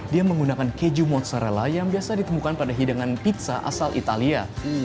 dia menggunakan keju mozzarella yang biasa ditemukan pada hidangan pizza asal italia